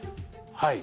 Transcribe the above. はい。